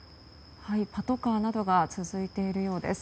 パトカーなどが続いているようです。